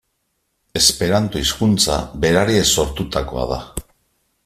Esperanto hizkuntza berariaz sortutakoa da.